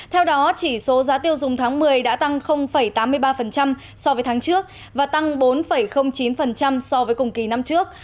theo đó chỉ số giá tiêu dùng tháng một mươi đã tăng tám mươi ba so với tháng trước và tăng bốn chín so với cùng kỳ năm trước